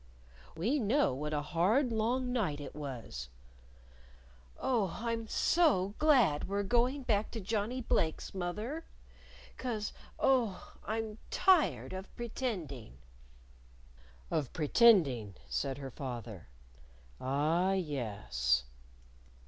"We know what a hard long night it was." "Oh, I'm so glad we're going back to Johnnie Blake's, moth er. 'Cause, oh, I'm tired of pretending!" "Of pretending," said her father. "Ah, yes."